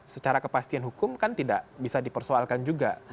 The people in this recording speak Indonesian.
secara kepastian hukum kan tidak bisa dipersoalkan juga